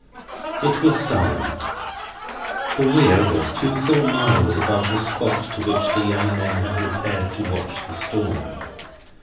It was starlight. The Weir was full two miles above the spot to which the young men had repaired to watch the storm.